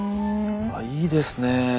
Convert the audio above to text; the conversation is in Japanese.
あいいですね！